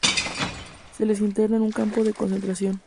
Se les interna en un campo de concentración.